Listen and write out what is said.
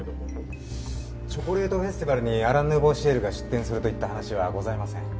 チョコレートフェスティバルにアラン・ヌーボー・シエルが出店するといった話はございません。